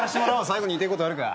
最後に言いてえことあるか？